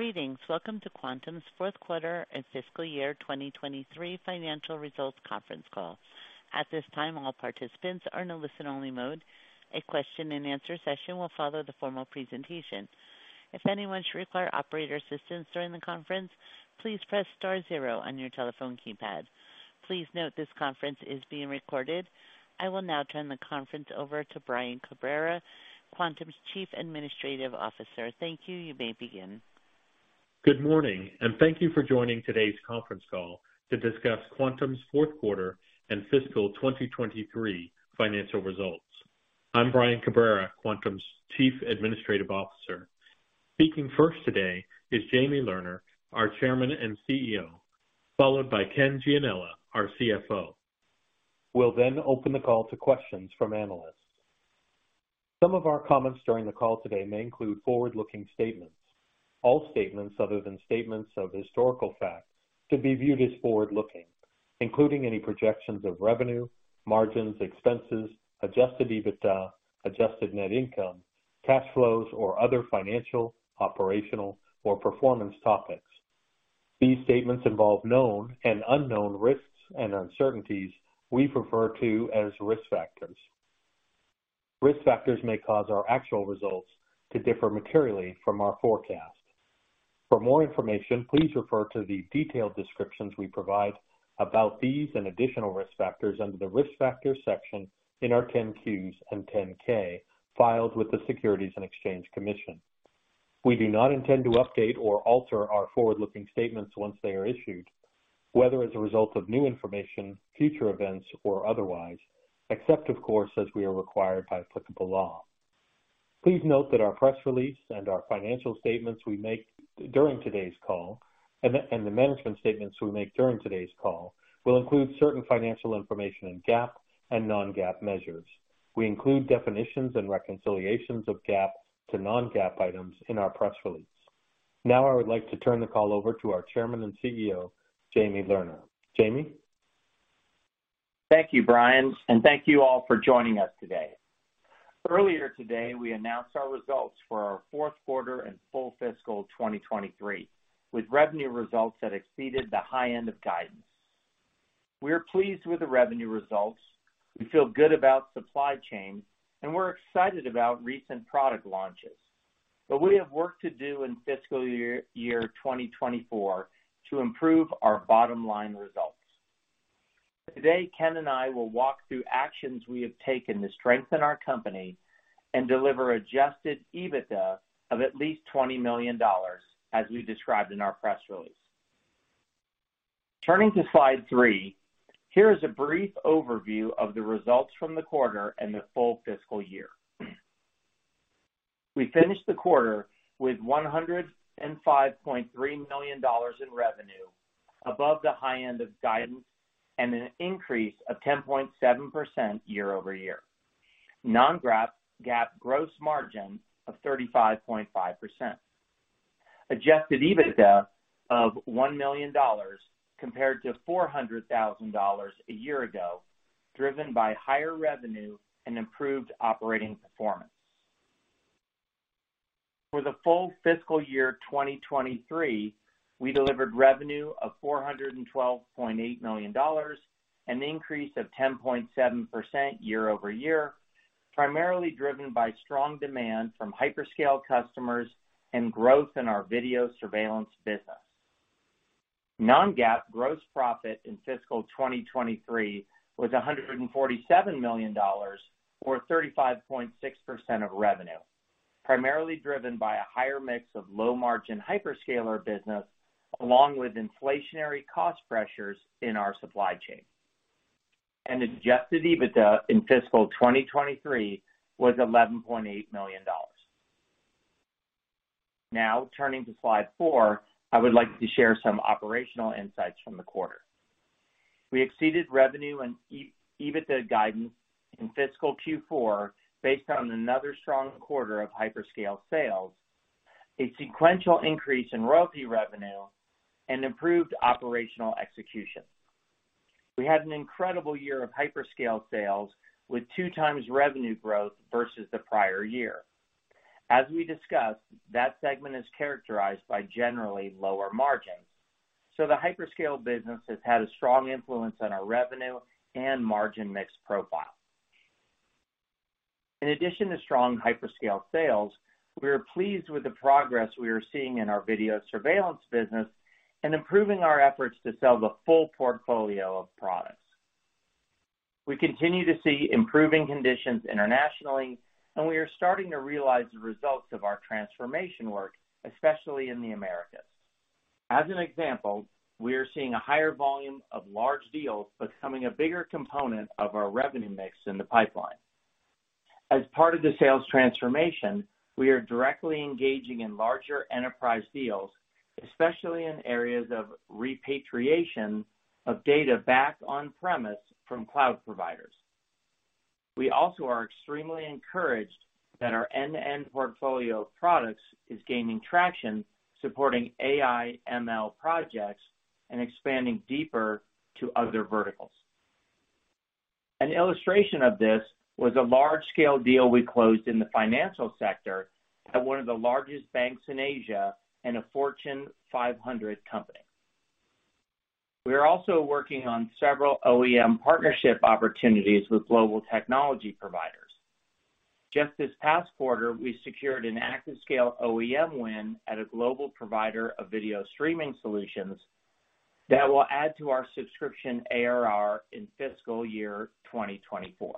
Greetings. Welcome to Quantum's Fourth Quarter and Fiscal Year 2023 Financial Results Conference Call. At this time, all participants are in a listen-only mode. A question-and-answer session will follow the formal presentation. If anyone should require operator assistance during the conference, please press star zero on your telephone keypad. Please note this conference is being recorded. I will now turn the conference over to Brian Cabrera, Quantum's Chief Administrative Officer. Thank you. You may begin. Good morning. Thank you for joining today's conference call to discuss Quantum's Fourth Quarter and Fiscal 2023 Financial Results. I'm Brian Cabrera, Quantum's Chief Administrative Officer. Speaking first today is Jamie Lerner, our Chairman and CEO, followed by Ken Gianella, our CFO. We'll then open the call to questions from analysts. Some of our comments during the call today may include forward-looking statements. All statements other than statements of historical fact could be viewed as forward-looking, including any projections of revenue, margins, expenses, adjusted EBITDA, adjusted net income, cash flows, or other financial, operational, or performance topics. These statements involve known and unknown risks and uncertainties we refer to as risk factors. Risk factors may cause our actual results to differ materially from our forecast. For more information, please refer to the detailed descriptions we provide about these and additional risk factors under the Risk Factors section in our 10-Qs and 10-K filed with the Securities and Exchange Commission. We do not intend to update or alter our forward-looking statements once they are issued, whether as a result of new information, future events, or otherwise, except, of course, as we are required by applicable law. Please note that our press release and our financial statements we make during today's call and the management statements we make during today's call will include certain financial information in GAAP and non-GAAP measures. We include definitions and reconciliations of GAAP to non-GAAP items in our press release. I would like to turn the call over to our Chairman and CEO, Jamie Lerner. Jamie? Thank you, Brian, and thank you all for joining us today. Earlier today, we announced our results for our fourth quarter and full fiscal 2023, with revenue results that exceeded the high end of guidance. We are pleased with the revenue results. We feel good about supply chain, and we're excited about recent product launches. We have work to do in fiscal year 2024 to improve our bottom-line results. Today, Ken and I will walk through actions we have taken to strengthen our company and deliver adjusted EBITDA of at least $20 million, as we described in our press release. Turning to slide three, here is a brief overview of the results from the quarter and the full fiscal year. We finished the quarter with $105.3 million in revenue, above the high end of guidance and an increase of 10.7% year-over-year. Non-GAAP, GAAP gross margin of 35.5%. Adjusted EBITDA of $1 million compared to $400,000 a year ago, driven by higher revenue and improved operating performance. For the full fiscal year 2023, we delivered revenue of $412.8 million, an increase of 10.7% year-over-year, primarily driven by strong demand from hyperscale customers and growth in our video surveillance business. Non-GAAP gross profit in fiscal 2023 was $147 million, or 35.6% of revenue, primarily driven by a higher mix of low-margin hyperscaler business, along with inflationary cost pressures in our supply chain. Adjusted EBITDA in fiscal 2023 was $11.8 million. Now, turning to slide four, I would like to share some operational insights from the quarter. We exceeded revenue and EBITDA guidance in fiscal Q4 based on another strong quarter of hyperscale sales, a sequential increase in royalty revenue, and improved operational execution. We had an incredible year of hyperscale sales with 2x revenue growth versus the prior year. As we discussed, that segment is characterized by generally lower margins, so the hyperscale business has had a strong influence on our revenue and margin mix profile. In addition to strong hyperscale sales, we are pleased with the progress we are seeing in our video surveillance business and improving our efforts to sell the full portfolio of products. We continue to see improving conditions internationally, and we are starting to realize the results of our transformation work, especially in the Americas. As an example, we are seeing a higher volume of large deals becoming a bigger component of our revenue mix in the pipeline. As part of the sales transformation, we are directly engaging in larger enterprise deals, especially in areas of repatriation of data back on-premise from cloud providers. We also are extremely encouraged that our end-to-end portfolio of products is gaining traction, supporting AI ML projects and expanding deeper to other verticals. An illustration of this was a large-scale deal we closed in the financial sector at one of the largest banks in Asia and a Fortune 500 company. We are also working on several OEM partnership opportunities with global technology providers. Just this past quarter, we secured an ActiveScale OEM win at a global provider of video streaming solutions that will add to our subscription ARR in fiscal year 2024.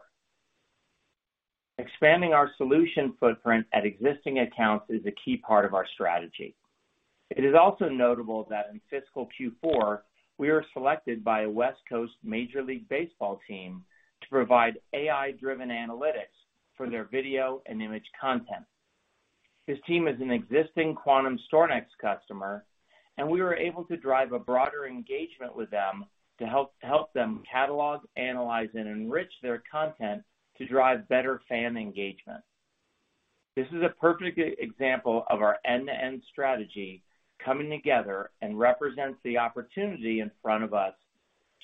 Expanding our solution footprint at existing accounts is a key part of our strategy. It is also notable that in fiscal Q4, we were selected by a West Coast Major League Baseball team to provide AI-driven analytics for their video and image content. This team is an existing Quantum StorNext customer, and we were able to drive a broader engagement with them to help them catalog, analyze, and enrich their content to drive better fan engagement. This is a perfect example of our end-to-end strategy coming together and represents the opportunity in front of us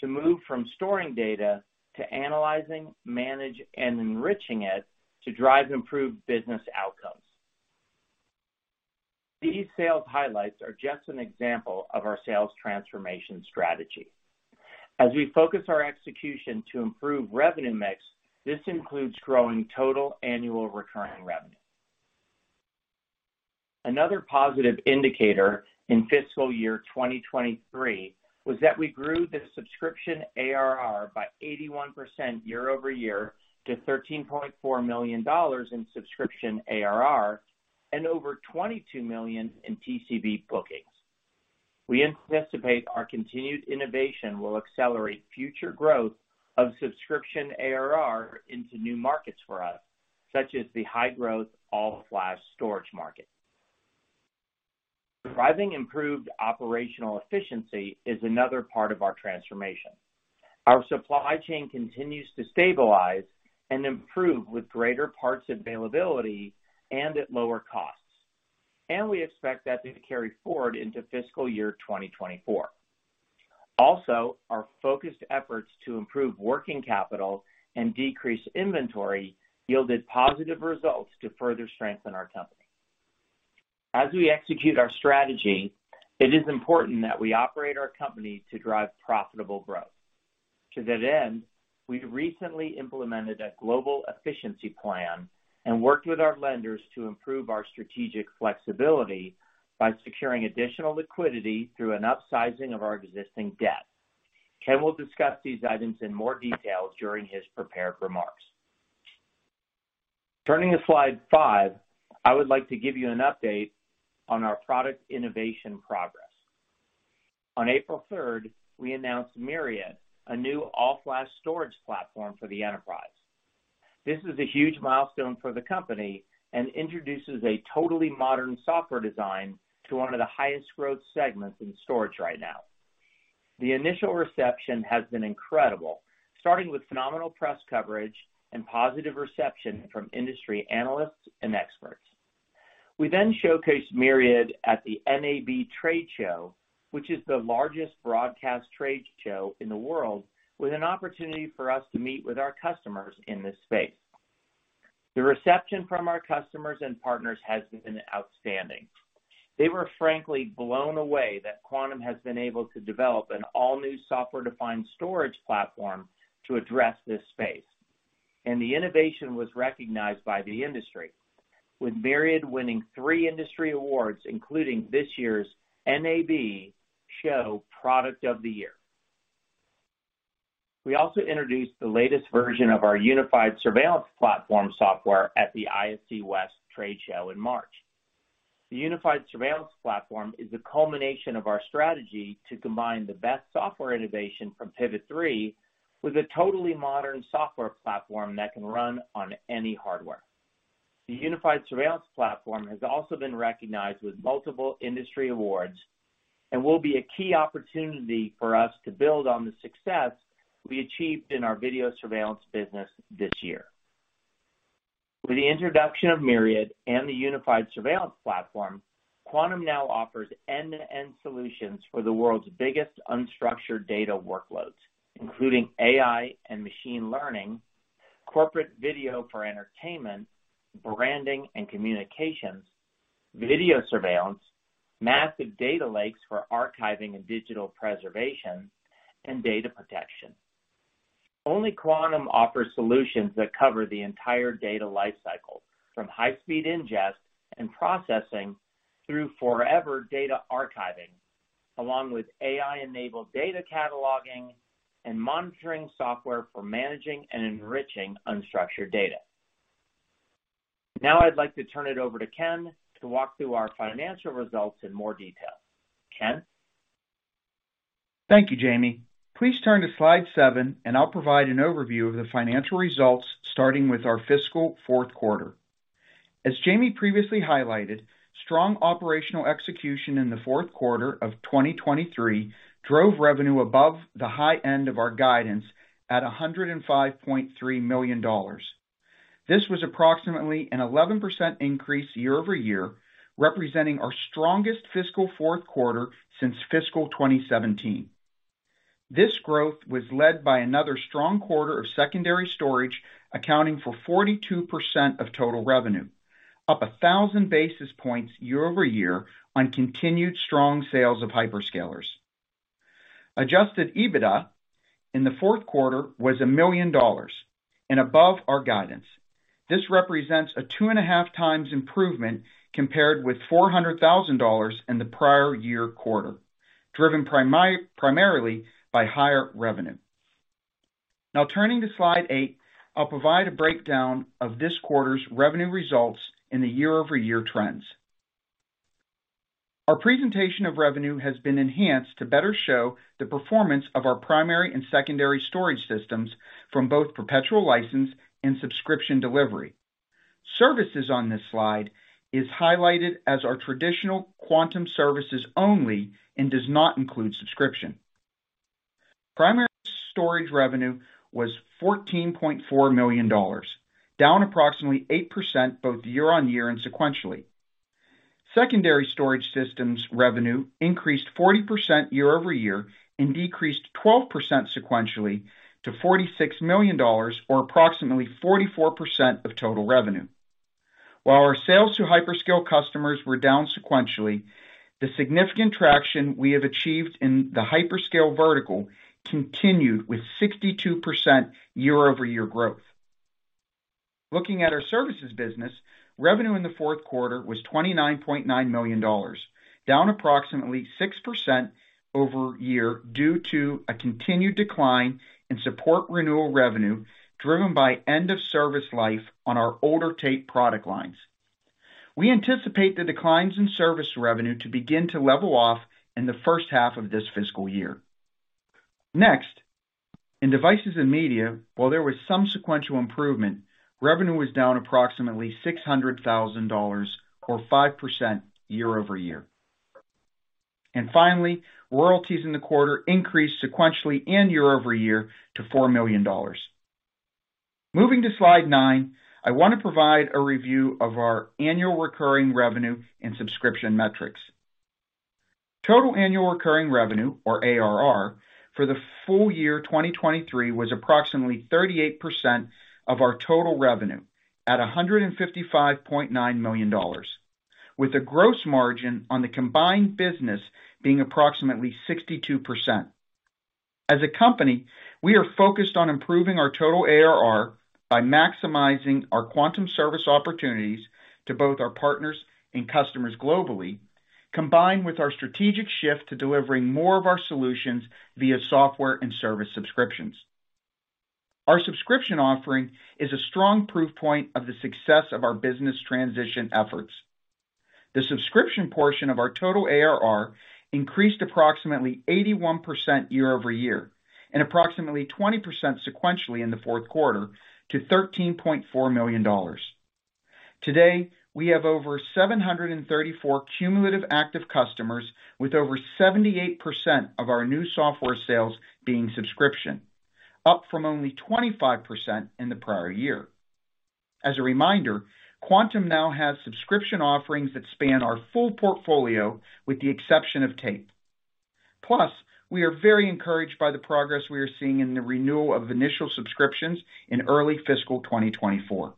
to move from storing data to analyzing, manage, and enriching it, to drive improved business outcomes. These sales highlights are just an example of our sales transformation strategy. As we focus our execution to improve revenue mix, this includes growing total annual recurring revenue. Another positive indicator in fiscal year 2023 was that we grew the subscription ARR by 81% year-over-year, to $13.4 million in subscription ARR and over $22 million in TCB bookings. We anticipate our continued innovation will accelerate future growth of subscription ARR into new markets for us, such as the high-growth all-flash storage market. Driving improved operational efficiency is another part of our transformation. Our supply chain continues to stabilize and improve with greater parts availability and at lower costs, and we expect that to carry forward into fiscal year 2024. Our focused efforts to improve working capital and decrease inventory yielded positive results to further strengthen our company. As we execute our strategy, it is important that we operate our company to drive profitable growth. To that end, we recently implemented a global efficiency plan and worked with our lenders to improve our strategic flexibility by securing additional liquidity through an upsizing of our existing debt. Ken will discuss these items in more detail during his prepared remarks. Turning to slide five, I would like to give you an update on our product innovation progress. On April 3rd, we announced Myriad, a new all-flash storage platform for the enterprise. This is a huge milestone for the company and introduces a totally modern software design to one of the highest growth segments in storage right now. The initial reception has been incredible, starting with phenomenal press coverage and positive reception from industry analysts and experts. We showcased Myriad at the NAB Trade Show, which is the largest broadcast trade show in the world, with an opportunity for us to meet with our customers in this space. The reception from our customers and partners has been outstanding. They were frankly blown away that Quantum has been able to develop an all-new software-defined storage platform to address this space, and the innovation was recognized by the industry, with Myriad winning three industry awards, including this year's NAB Show Product of the Year. We also introduced the latest version of our Unified Surveillance Platform software at the ISC West Trade Show in March. The Unified Surveillance Platform is a culmination of our strategy to combine the best software innovation from Pivot3 with a totally modern software platform that can run on any hardware. The Unified Surveillance Platform has also been recognized with multiple industry awards and will be a key opportunity for us to build on the success we achieved in our video surveillance business this year. With the introduction of Myriad and the Unified Surveillance Platform, Quantum now offers end-to-end solutions for the world's biggest unstructured data workloads, including AI and machine learning, corporate video for entertainment, branding and communications, video surveillance, massive data lakes for archiving and digital preservation, and data protection. Only Quantum offers solutions that cover the entire data life cycle, from high-speed ingest and processing through forever data archiving, along with AI-enabled data cataloging and monitoring software for managing and enriching unstructured data. Now I'd like to turn it over to Ken to walk through our financial results in more detail. Ken? Thank you, Jamie. Please turn to slide seven, I'll provide an overview of the financial results, starting with our fiscal fourth quarter. As Jamie previously highlighted, strong operational execution in the fourth quarter of 2023 drove revenue above the high end of our guidance at $105.3 million. This was approximately an 11% increase year-over-year, representing our strongest fiscal fourth quarter since fiscal 2017. This growth was led by another strong quarter of secondary storage, accounting for 42% of total revenue, up 1,000 basis points year-over-year on continued strong sales of hyperscalers. Adjusted EBITDA in the fourth quarter was $1 million and above our guidance. This represents a 2.5x improvement compared with $400,000 in the prior year quarter, driven primarily by higher revenue. Now turning to slide eight, I'll provide a breakdown of this quarter's revenue results in the year-over-year trends. Our presentation of revenue has been enhanced to better show the performance of our primary and secondary storage systems from both perpetual license and subscription delivery. Services on this slide is highlighted as our traditional Quantum services only and does not include subscription. Primary storage revenue was $14.4 million, down approximately 8% both year-over-year and sequentially. Secondary storage systems revenue increased 40% year-over-year and decreased 12% sequentially to $46 million, or approximately 44% of total revenue. While our sales to hyperscale customers were down sequentially, the significant traction we have achieved in the hyperscale vertical continued with 62% year-over-year growth. Looking at our services business, revenue in the fourth quarter was $29.9 million, down approximately 6% year-over-year due to a continued decline in support renewal revenue, driven by end of service life on our older tape product lines. We anticipate the declines in service revenue to begin to level off in the first half of this fiscal year. Next, in devices and media, while there was some sequential improvement, revenue was down approximately $600,000, or 5% year-over-year. Finally, royalties in the quarter increased sequentially and year-over-year to $4 million. Moving to slide nine, I want to provide a review of our annual recurring revenue and subscription metrics. Total Annual Recurring Revenue, or ARR, for the full year 2023, was approximately 38% of our total revenue, at $155.9 million, with a gross margin on the combined business being approximately 62%. As a company, we are focused on improving our total ARR by maximizing our Quantum service opportunities to both our partners and customers globally, combined with our strategic shift to delivering more of our solutions via software and service subscriptions. Our subscription offering is a strong proof point of the success of our business transition efforts. The subscription portion of our total ARR increased approximately 81% year-over-year and approximately 20% sequentially in the fourth quarter to $13.4 million. Today, we have over 734 cumulative active customers, with over 78% of our new software sales being subscription, up from only 25% in the prior year. As a reminder, Quantum now has subscription offerings that span our full portfolio, with the exception of tape. We are very encouraged by the progress we are seeing in the renewal of initial subscriptions in early fiscal 2024.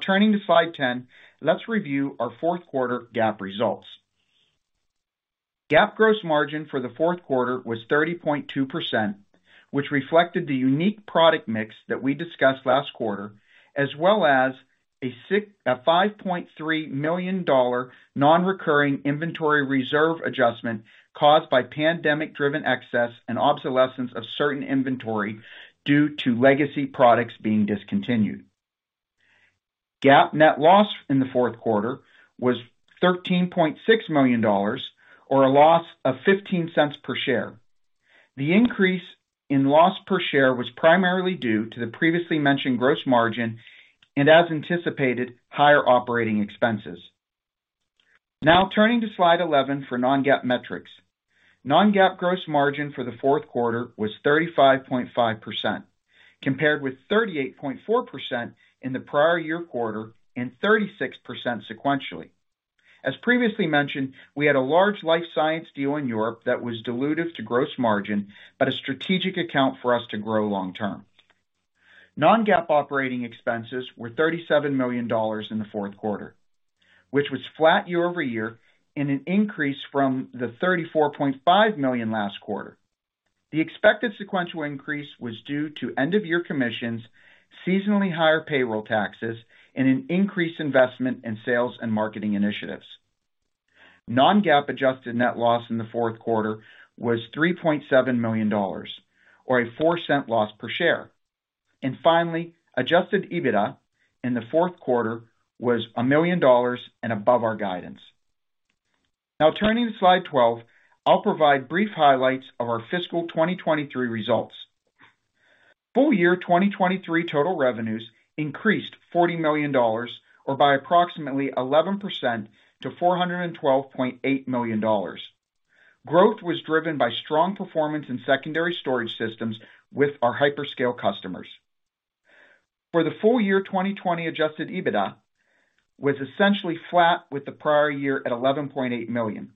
Turning to slide 10, let's review our fourth quarter GAAP results. GAAP gross margin for the fourth quarter was 30.2%, which reflected the unique product mix that we discussed last quarter, as well as a $5.3 million non-recurring inventory reserve adjustment caused by pandemic-driven excess and obsolescence of certain inventory due to legacy products being discontinued. GAAP net loss in the fourth quarter was $13.6 million, or a loss of $0.15 per share. The increase in loss per share was primarily due to the previously mentioned gross margin and, as anticipated, higher operating expenses. Turning to slide 11 for non-GAAP metrics. Non-GAAP gross margin for the fourth quarter was 35.5%, compared with 38.4% in the prior year quarter, and 36% sequentially. As previously mentioned, we had a large Life Science deal in Europe that was dilutive to gross margin, but a strategic account for us to grow long term. Non-GAAP operating expenses were $37 million in the fourth quarter, which was flat year-over-year, in an increase from the $34.5 million last quarter. The expected sequential increase was due to end-of-year commissions, seasonally higher payroll taxes, and an increased investment in sales and marketing initiatives. non-GAAP adjusted net loss in the fourth quarter was $3.7 million, or a $0.04 loss per share. Adjusted EBITDA in the fourth quarter was $1 million and above our guidance. Turning to slide 12, I'll provide brief highlights of our fiscal 2023 results. Full year 2023 total revenues increased $40 million, or by approximately 11% to $412.8 million. Growth was driven by strong performance in secondary storage systems with our hyperscale customers. For the full year 2020 adjusted EBITDA was essentially flat with the prior year at $11.8 million.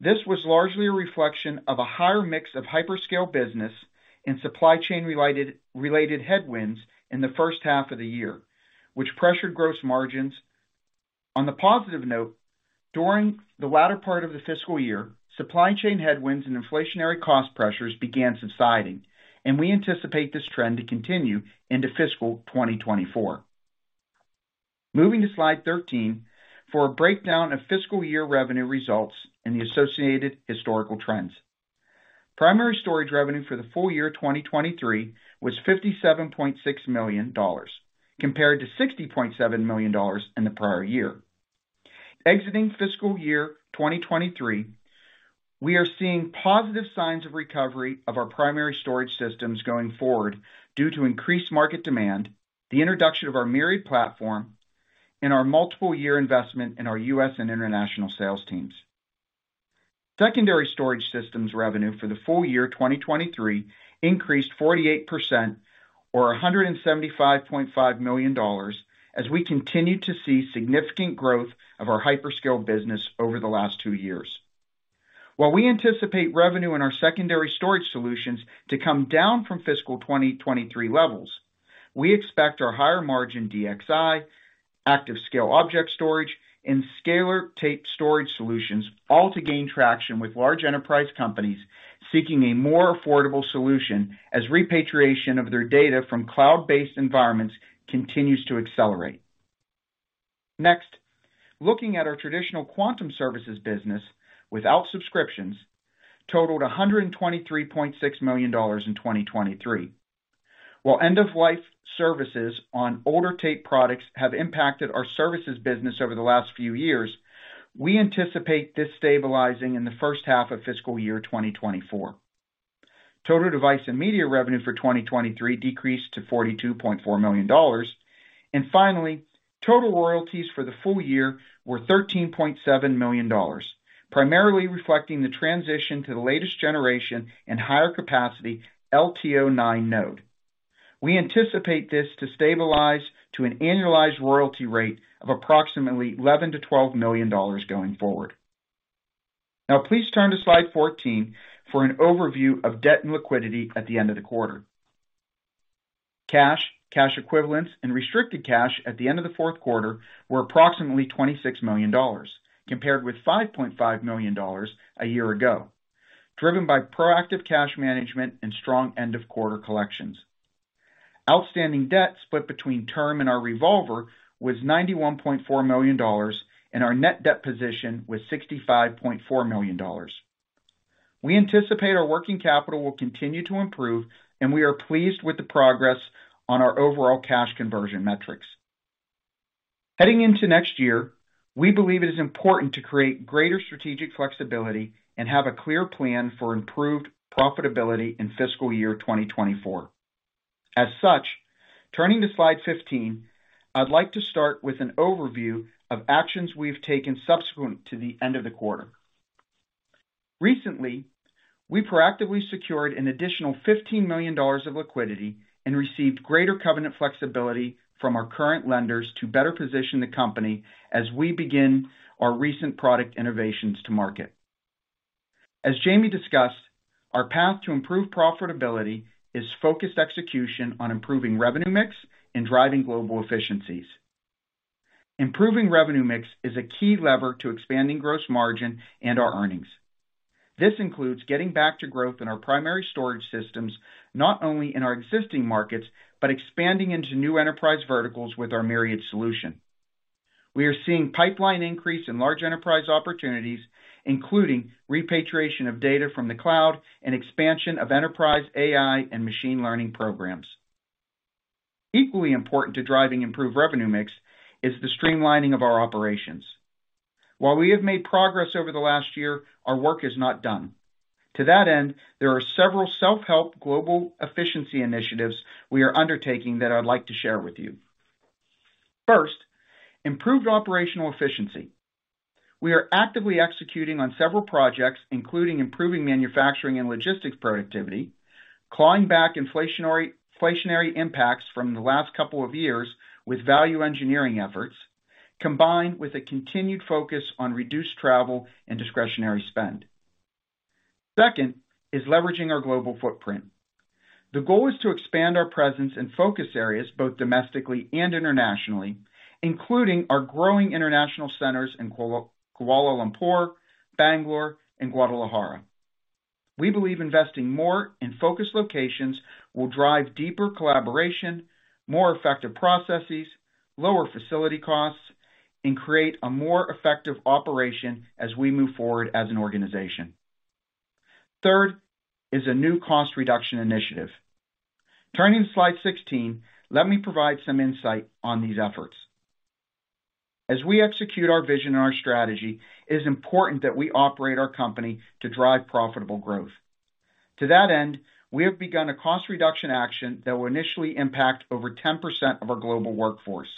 This was largely a reflection of a higher mix of hyperscale business and supply chain related headwinds in the first half of the year, which pressured gross margins. The positive note, during the latter part of the fiscal year, supply chain headwinds and inflationary cost pressures began subsiding, and we anticipate this trend to continue into fiscal 2024. Moving to slide 13, for a breakdown of fiscal year revenue results and the associated historical trends. Primary storage revenue for the full year 2023 was $57.6 million, compared to $60.7 million in the prior year. Exiting fiscal year 2023, we are seeing positive signs of recovery of our primary storage systems going forward due to increased market demand, the introduction of our Myriad platform, and our multiple year investment in our U.S. and international sales teams. Secondary storage systems revenue for the full year 2023 increased 48% or $175.5 million as we continued to see significant growth of our hyperscale business over the last two years. While we anticipate revenue in our secondary storage solutions to come down from fiscal 2023 levels, we expect our higher margin DXi, ActiveScale Object Storage, and Scalar Tape Storage solutions all to gain traction with large enterprise companies seeking a more affordable solution as repatriation of their data from cloud-based environments continues to accelerate. Next, looking at our traditional Quantum Services business without subscriptions totaled $123.6 million in 2023. While end-of-life services on older tape products have impacted our services business over the last few years, we anticipate this stabilizing in the first half of fiscal year 2024. Total device and media revenue for 2023 decreased to $42.4 million. Finally, total royalties for the full year were $13.7 million, primarily reflecting the transition to the latest generation and higher capacity LTO-9 node. We anticipate this to stabilize to an annualized royalty rate of approximately $11 million-$12 million going forward. Please turn to slide 14 for an overview of debt and liquidity at the end of the quarter. Cash, cash equivalents, and restricted cash at the end of the fourth quarter were approximately $26 million, compared with $5.5 million a year ago, driven by proactive cash management and strong end-of-quarter collections. Outstanding debt, split between term and our revolver, was $91.4 million, and our net debt position was $65.4 million. We anticipate our working capital will continue to improve, and we are pleased with the progress on our overall cash conversion metrics. Heading into next year, we believe it is important to create greater strategic flexibility and have a clear plan for improved profitability in fiscal year 2024. As such, turning to slide 15, I'd like to start with an overview of actions we've taken subsequent to the end of the quarter. Recently, we proactively secured an additional $15 million of liquidity and received greater covenant flexibility from our current lenders to better position the company as we begin our recent product innovations to market. As Jamie discussed, our path to improved profitability is focused execution on improving revenue mix and driving global efficiencies. Improving revenue mix is a key lever to expanding gross margin and our earnings. This includes getting back to growth in our primary storage systems, not only in our existing markets, but expanding into new enterprise verticals with our Myriad solution. We are seeing pipeline increase in large enterprise opportunities, including repatriation of data from the cloud and expansion of enterprise AI ML programs. Equally important to driving improved revenue mix is the streamlining of our operations. While we have made progress over the last year, our work is not done. To that end, there are several self-help global efficiency initiatives we are undertaking that I'd like to share with you. First, improved operational efficiency. We are actively executing on several projects, including improving manufacturing and logistics productivity, clawing back inflationary impacts from the last couple of years with value engineering efforts, combined with a continued focus on reduced travel and discretionary spend. Second, is leveraging our global footprint. The goal is to expand our presence in focus areas, both domestically and internationally, including our growing international centers in Kuala Lumpur, Bangalore, and Guadalajara. We believe investing more in focused locations will drive deeper collaboration, more effective processes, lower facility costs, and create a more effective operation as we move forward as an organization. Third, is a new cost reduction initiative. Turning to slide 16, let me provide some insight on these efforts. As we execute our vision and our strategy, it is important that we operate our company to drive profitable growth. To that end, we have begun a cost reduction action that will initially impact over 10% of our global workforce.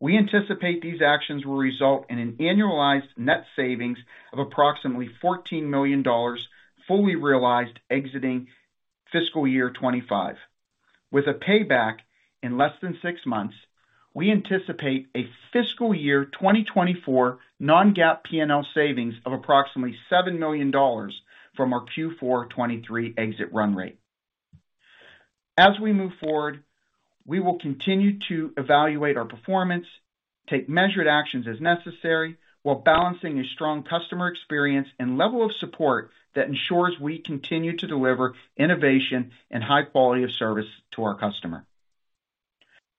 We anticipate these actions will result in an annualized net savings of approximately $14 million, fully realized exiting fiscal year 2025. With a payback in less than six months, we anticipate a fiscal year 2024 non-GAAP P&L savings of approximately $7 million from our Q4 2023 exit run rate. As we move forward, we will continue to evaluate our performance, take measured actions as necessary, while balancing a strong customer experience and level of support that ensures we continue to deliver innovation and high quality of service to our customer.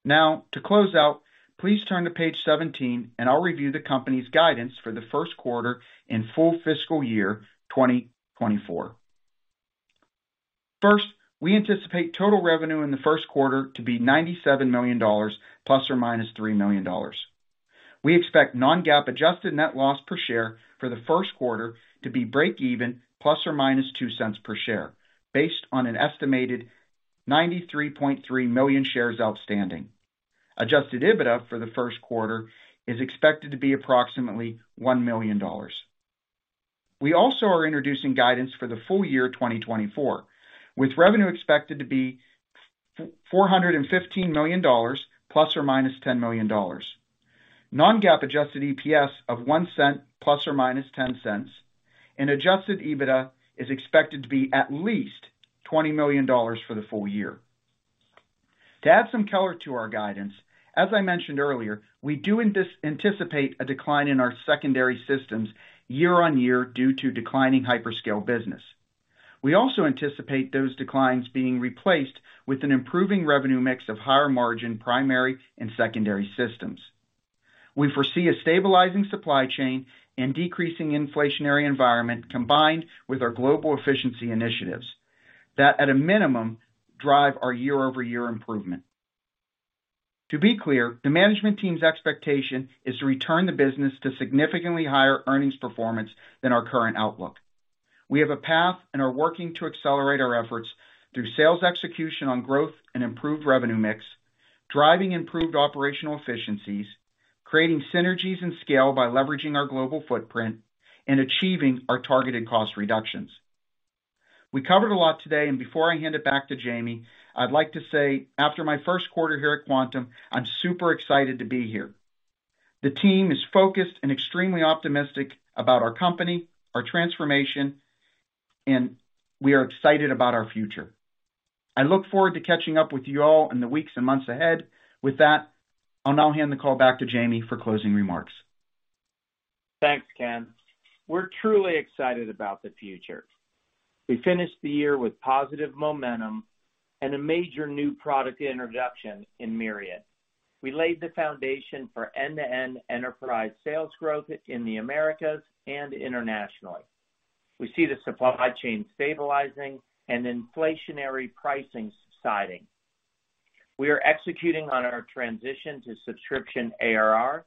To close out, please turn to page 17, and I'll review the company's guidance for the first quarter and full fiscal year 2024. We anticipate total revenue in the first quarter to be $97 million, ±$3 million. We expect non-GAAP adjusted net loss per share for the first quarter to be breakeven, ±$0.02 per share, based on an estimated 93.3 million shares outstanding. Adjusted EBITDA for the first quarter is expected to be approximately $1 million. We also are introducing guidance for the full year 2024, with revenue expected to be $415 million, ±$10 million. Non-GAAP adjusted EPS of $0.01, ±$0.10. Adjusted EBITDA is expected to be at least $20 million for the full year. To add some color to our guidance, as I mentioned earlier, we do anticipate a decline in our secondary systems year-on-year due to declining hyperscale business. We also anticipate those declines being replaced with an improving revenue mix of higher margin, primary and secondary systems. We foresee a stabilizing supply chain and decreasing inflationary environment, combined with our global efficiency initiatives, that, at a minimum, drive our year-over-year improvement. To be clear, the management team's expectation is to return the business to significantly higher earnings performance than our current outlook. We have a path and are working to accelerate our efforts through sales execution on growth and improved revenue mix, driving improved operational efficiencies, creating synergies and scale by leveraging our global footprint, and achieving our targeted cost reductions. Before I hand it back to Jamie, I'd like to say, after my first quarter here at Quantum, I'm super excited to be here. The team is focused and extremely optimistic about our company, our transformation, and we are excited about our future. I look forward to catching up with you all in the weeks and months ahead. I'll now hand the call back to Jamie for closing remarks. Thanks, Ken. We're truly excited about the future. We finished the year with positive momentum and a major new product introduction in Myriad. We laid the foundation for end-to-end enterprise sales growth in the Americas and internationally. We see the supply chain stabilizing and inflationary pricing subsiding. We are executing on our transition to subscription ARR,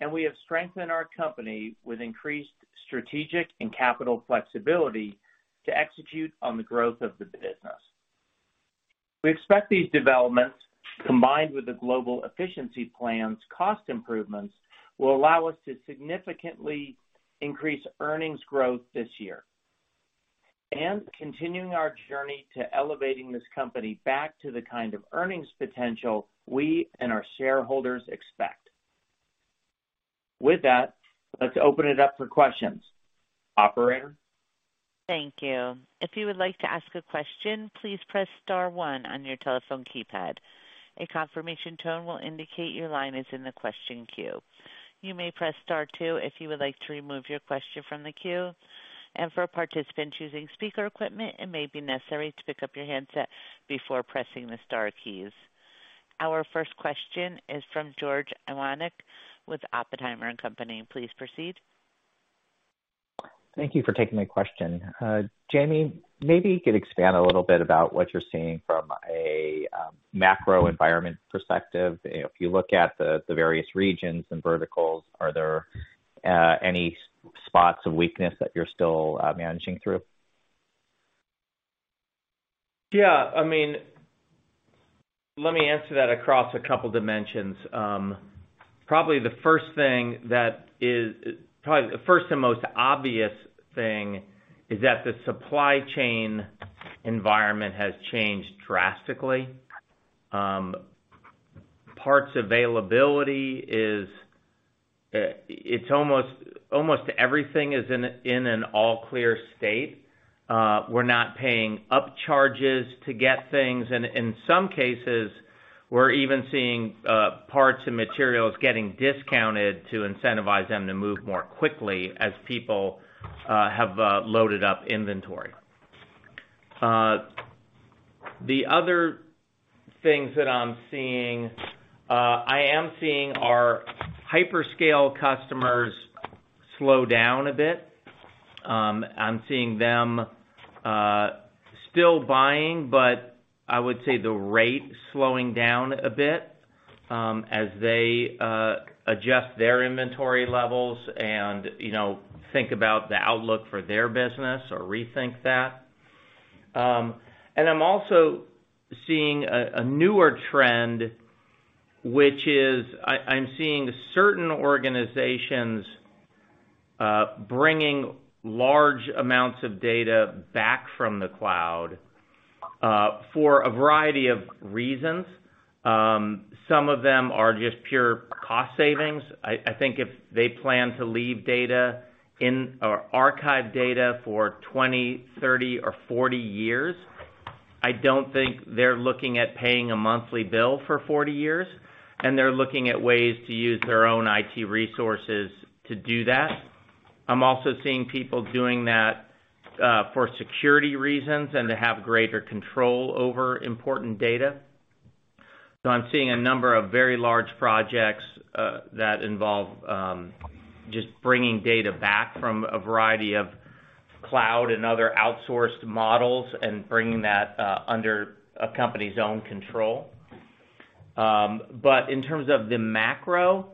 and we have strengthened our company with increased strategic and capital flexibility to execute on the growth of the business. We expect these developments, combined with the global efficiency plan's cost improvements, will allow us to significantly increase earnings growth this year, and continuing our journey to elevating this company back to the kind of earnings potential we and our shareholders expect. With that, let's open it up for questions. Operator? Thank you. If you would like to ask a question, please press star one on your telephone keypad. A confirmation tone will indicate your line is in the question queue. You may press star two if you would like to remove your question from the queue, and for a participant choosing speaker equipment, it may be necessary to pick up your handset before pressing the star keys. Our first question is from George Iwanyc with Oppenheimer & Co. Please proceed. Thank you for taking my question. Jamie, maybe you could expand a little bit about what you're seeing from a macro environment perspective. If you look at the various regions and verticals, are there any spots of weakness that you're still managing through? Yeah, I mean, let me answer that across a couple dimensions. Probably the first and most obvious thing is that the supply chain environment has changed drastically. Parts availability is, it's almost everything is in an all-clear state. We're not paying up charges to get things, and in some cases, we're even seeing parts and materials getting discounted to incentivize them to move more quickly as people have loaded up inventory. The other things that I'm seeing, I am seeing our hyperscale customers slow down a bit. I'm seeing them still buying, but I would say the rate slowing down a bit as they adjust their inventory levels and, you know, think about the outlook for their business or rethink that. I'm also seeing a newer trend, which is I'm seeing certain organizations bringing large amounts of data back from the cloud for a variety of reasons. Some of them are just pure cost savings. I think if they plan to leave data in or archive data for 20, 30, or 40 years, I don't think they're looking at paying a monthly bill for 40 years, and they're looking at ways to use their own IT resources to do that. I'm also seeing people doing that for security reasons and to have greater control over important data. I'm seeing a number of very large projects that involve just bringing data back from a variety of cloud and other outsourced models and bringing that under a company's own control. In terms of the macro,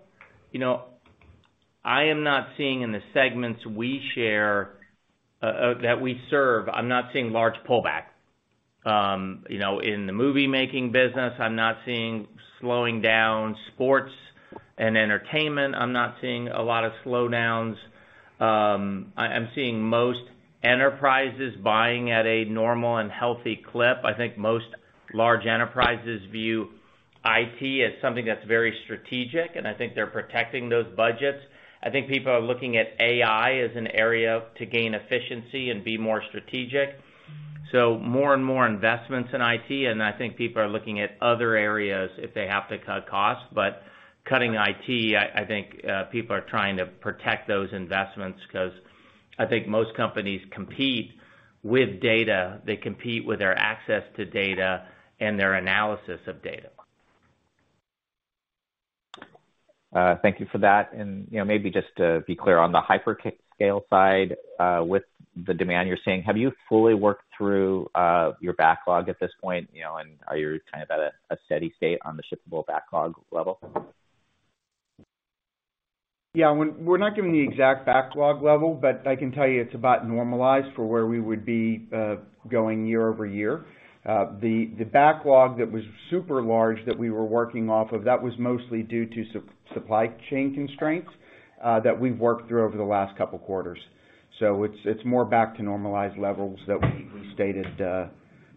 you know, I am not seeing in the segments we share, that we serve, I'm not seeing large pullback. You know, in the movie-making business, I'm not seeing slowing down. Sports and entertainment, I'm not seeing a lot of slowdowns. I'm seeing most enterprises buying at a normal and healthy clip. I think most large enterprises view IT as something that's very strategic, and I think they're protecting those budgets. I think people are looking at AI as an area to gain efficiency and be more strategic. More and more investments in IT, and I think people are looking at other areas if they have to cut costs. Cutting IT, I think, people are trying to protect those investments, 'cause I think most companies compete with data. They compete with their access to data and their analysis of data. Thank you for that. You know, maybe just to be clear on the hyper scale side, with the demand you're seeing, have you fully worked through your backlog at this point, you know? Are you kind of at a steady state on the shippable backlog level? Yeah, we're not giving the exact backlog level, but I can tell you it's about normalized for where we would be going year-over-year. The backlog that was super large that we were working off of, that was mostly due to supply chain constraints that we've worked through over the last couple quarters. It's more back to normalized levels that we stated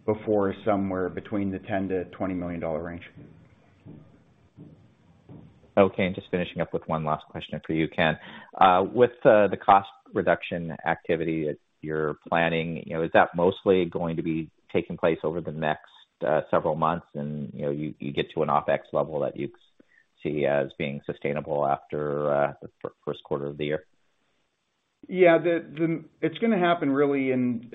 before, somewhere between the $10 million-$20 million range. Okay, and just finishing up with one last question for you, Ken. With the cost reduction activity that you're planning, you know, is that mostly going to be taking place over the next several months, and, you know, you get to an OpEx level that you see as being sustainable after the first quarter of the year? Yeah, the it's gonna happen really in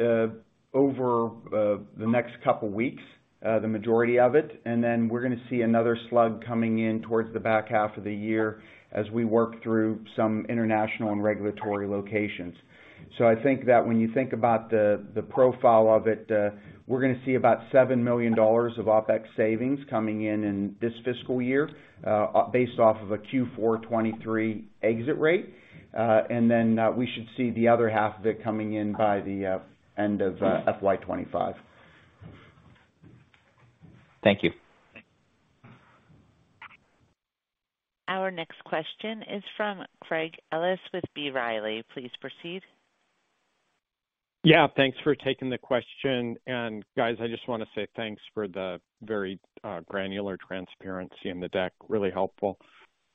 over the next couple weeks, the majority of it, and then we're gonna see another slug coming in towards the back half of the year as we work through some international and regulatory locations. I think that when you think about the profile of it, we're gonna see about $7 million of OpEx savings coming in in this fiscal year, based off of a Q4 2023 exit rate. We should see the other half of it coming in by the end of FY 2025. Thank you. Our next question is from Craig Ellis with B. Riley. Please proceed. Thanks for taking the question. Guys, I just wanna say thanks for the very granular transparency in the deck. Really helpful.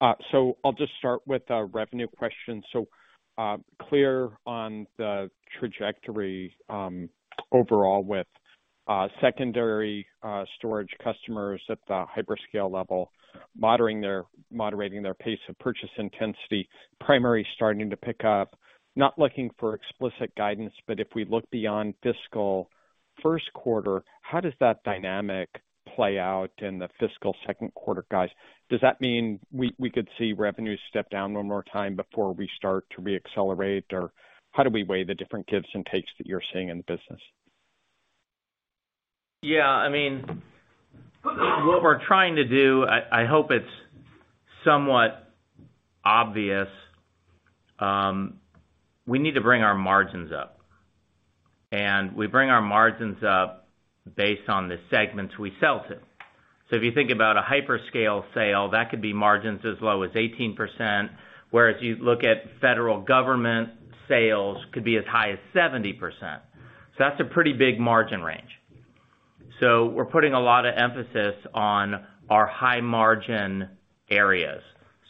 I'll just start with a revenue question. Clear on the trajectory, overall with secondary storage customers at the hyperscale level, moderating their pace of purchase intensity, primary starting to pick up. Not looking for explicit guidance, but if we look beyond fiscal first quarter, how does that dynamic play out in the fiscal second quarter, guys? Does that mean we could see revenues step down one more time before we start to reaccelerate? Or how do we weigh the different gives and takes that you're seeing in the business? Yeah, I mean, what we're trying to do, I hope it's somewhat obvious. We need to bring our margins up, and we bring our margins up based on the segments we sell to. If you think about a hyperscale sale, that could be margins as low as 18%, whereas if you look at federal government sales, could be as high as 70%. That's a pretty big margin range. We're putting a lot of emphasis on our high-margin areas,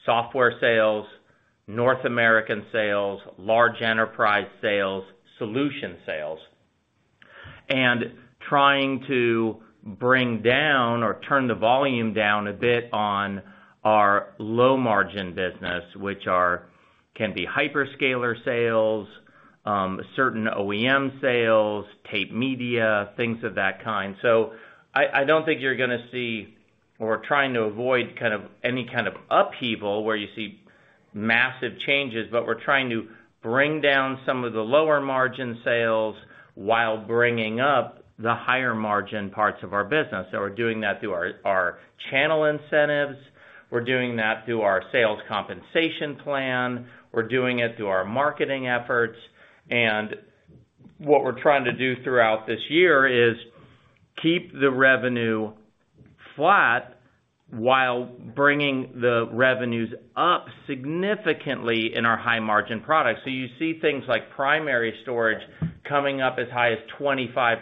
software sales, North American sales, large enterprise sales, solution sales, and trying to bring down or turn the volume down a bit on our low-margin business, which can be hyperscaler sales, certain OEM sales, tape media, things of that kind. I don't think you're gonna see, or we're trying to avoid kind of, any kind of upheaval where you see massive changes, but we're trying to bring down some of the lower margin sales while bringing up the higher margin parts of our business. We're doing that through our channel incentives. We're doing that through our sales compensation plan. We're doing it through our marketing efforts, and what we're trying to do throughout this year is keep the revenue flat while bringing the revenues up significantly in our high margin products. You see things like primary storage coming up as high as 25%.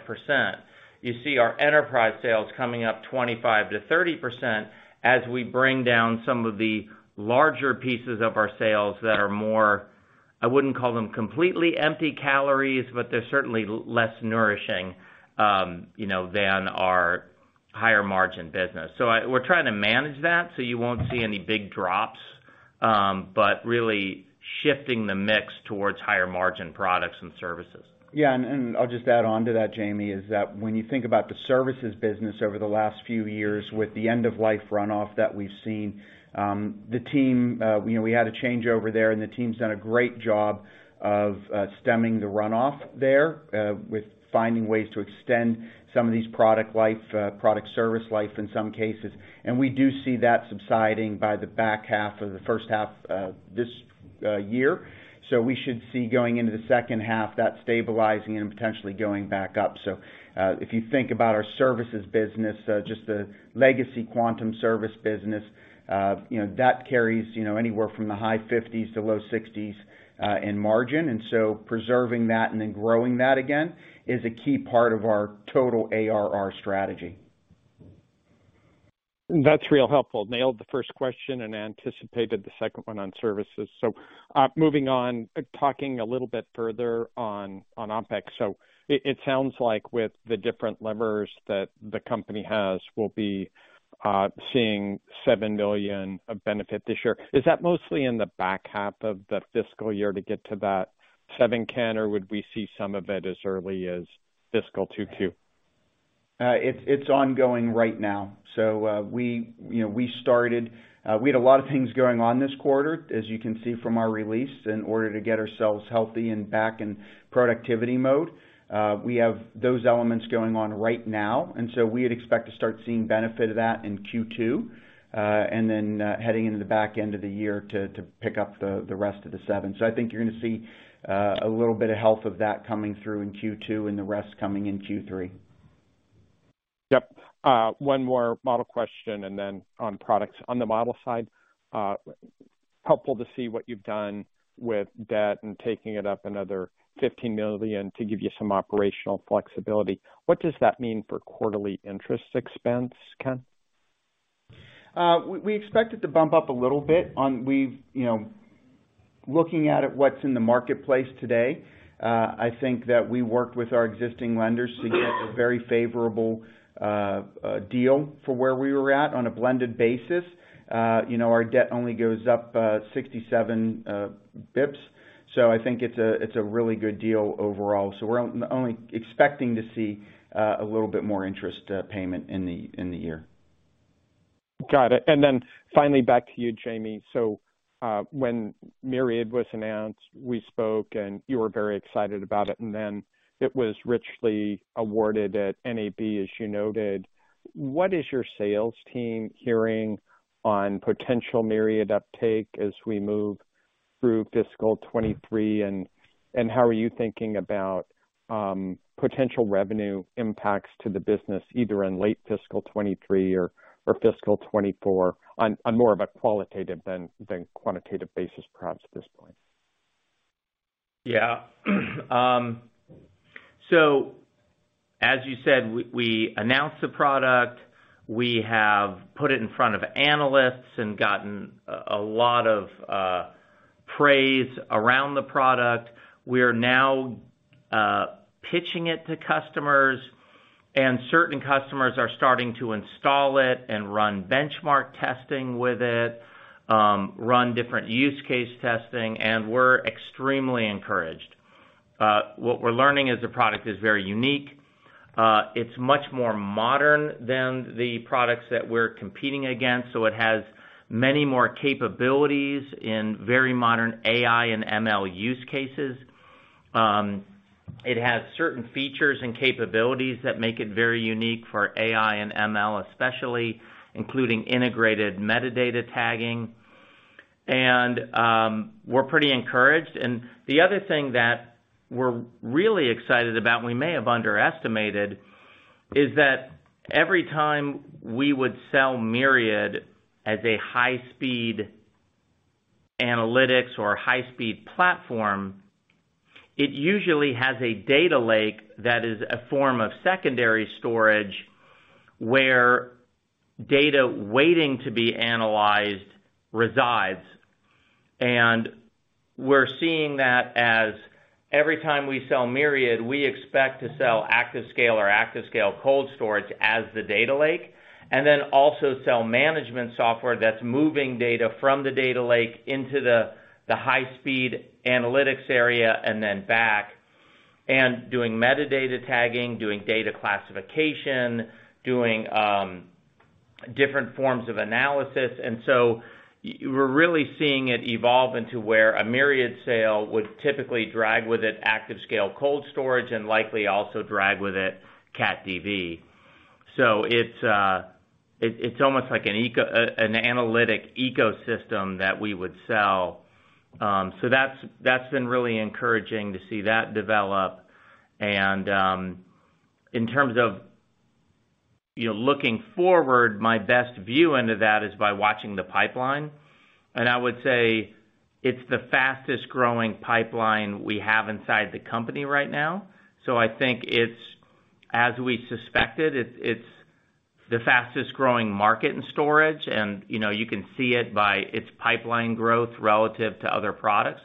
You see our enterprise sales coming up 25%-30% as we bring down some of the larger pieces of our sales that are more, I wouldn't call them completely empty calories, but they're certainly less nourishing, you know, than our higher margin business. We're trying to manage that, so you won't see any big drops, but really shifting the mix towards higher margin products and services. Yeah, I'll just add on to that, Jamie, is that when you think about the services business over the last few years, with the end-of-life runoff that we've seen, the team, we know we had a changeover there, and the team's done a great job of stemming the runoff there, with finding ways to extend some of these product service life in some cases. We do see that subsiding by the back half of the first half of this year. We should see going into the second half, that stabilizing and potentially going back up. If you think about our services business, just the legacy Quantum service business, you know, that carries, you know, anywhere from the high 50% to low 60%in margin, preserving that and then growing that again, is a key part of our total ARR strategy. That's real helpful. Nailed the first question and anticipated the second one on services. Moving on, talking a little bit further on OpEx. It sounds like with the different levers that the company has, we'll be seeing $7 million of benefit this year. Is that mostly in the back half of the fiscal year to get to that $7 million, Ken, or would we see some of it as early as fiscal 2022? It's ongoing right now. We, you know, we had a lot of things going on this quarter, as you can see from our release, in order to get ourselves healthy and back in productivity mode. We have those elements going on right now, we'd expect to start seeing benefit of that in Q2, and then, heading into the back end of the year to pick up the rest of the seven. I think you're gonna see a little bit of health of that coming through in Q2 and the rest coming in Q3. Yep. One more model question, and then on products. On the model side, helpful to see what you've done with debt and taking it up another $15 million to give you some operational flexibility. What does that mean for quarterly interest expense, Ken? We expect it to bump up a little bit. You know, looking at it, what's in the marketplace today, I think that we worked with our existing lenders to get a very favorable deal for where we were at on a blended basis. You know, our debt only goes up 67 basis points, so I think it's a really good deal overall. We're only expecting to see a little bit more interest payment in the year. Got it. Back to you, Jamie. When Myriad was announced, we spoke and you were very excited about it, and then it was richly awarded at NAB, as you noted. What is your sales team hearing on potential Myriad uptake as we move through fiscal 2023, and how are you thinking about potential revenue impacts to the business, either in late fiscal 2023 or fiscal 2024, on more of a qualitative than quantitative basis, perhaps, at this point? Yeah. As you said, we announced the product. We have put it in front of analysts and gotten a lot of praise around the product. We're now pitching it to customers, and certain customers are starting to install it and run benchmark testing with it, run different use case testing, and we're extremely encouraged. What we're learning is the product is very unique. It's much more modern than the products that we're competing against, so it has many more capabilities in very modern AI and ML use cases. It has certain features and capabilities that make it very unique for AI and ML, especially, including integrated metadata tagging. We're pretty encouraged. The other thing that we're really excited about, and we may have underestimated, is that every time we would sell Myriad as a high-speed analytics or high-speed platform, it usually has a data lake that is a form of secondary storage, where data waiting to be analyzed resides. We're seeing that as every time we sell Myriad, we expect to sell ActiveScale or ActiveScale Cold Storage as the data lake, and then also sell management software that's moving data from the data lake into the high-speed analytics area and then back, and doing metadata tagging, doing data classification, doing different forms of analysis. We're really seeing it evolve into where a Myriad sale would typically drag with it ActiveScale Cold Storage, and likely also drag with it CatDV. it's almost like an analytic ecosystem that we would sell. that's been really encouraging to see that develop. In terms of, you know, looking forward, my best view into that is by watching the pipeline. I would say it's the fastest-growing pipeline we have inside the company right now. I think it's, as we suspected, it's the fastest-growing market in storage, and, you know, you can see it by its pipeline growth relative to other products.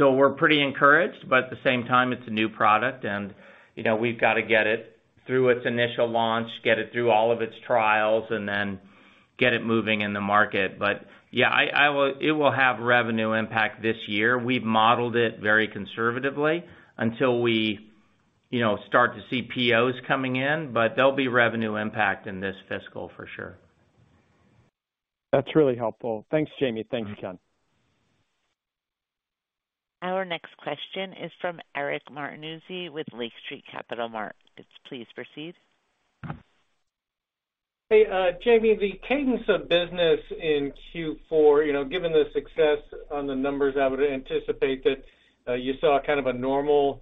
We're pretty encouraged, but at the same time, it's a new product, and, you know, we've got to get it through its initial launch, get it through all of its trials, and then get it moving in the market. Yeah, I, it will have revenue impact this year. We've modeled it very conservatively until we, you know, start to see POs coming in, but there'll be revenue impact in this fiscal, for sure. That's really helpful. Thanks, Jamie. Thanks, Ken. Our next question is from Eric Martinuzzi, with Lake Street Capital Markets. Please proceed. Hey, Jamie, the cadence of business in Q4, you know, given the success on the numbers, I would anticipate that, you saw kind of a normal,